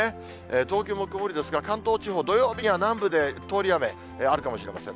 東京も曇りですが、関東地方、土曜日には南部で通り雨あるかもしれません。